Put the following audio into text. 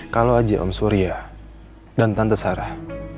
kalau haji om surya dan tante sarah